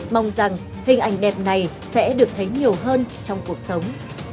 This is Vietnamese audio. mong rằng hình ảnh đẹp này sẽ được thấy nhiều hơn trong cuộc sống